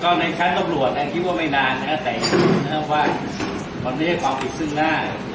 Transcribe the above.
ก็ในชั้นอบรวชคิดว่าไม่นานแต่ว่าคราวนี้ก่อนพิษภาพ